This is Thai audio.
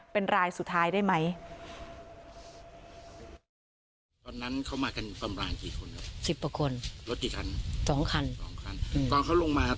เป็นรายสุดท้ายได้ไหม